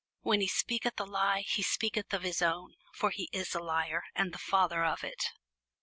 When he speaketh a lie, he speaketh of his own: for he is a liar, and the father of it.